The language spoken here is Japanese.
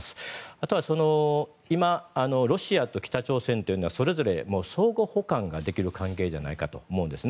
あとは今、ロシアと北朝鮮というのはそれぞれ相互補完ができる関係じゃないかと思うんです。